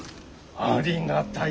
ありがたい。